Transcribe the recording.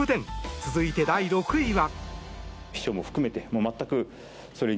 続いて、第６位は。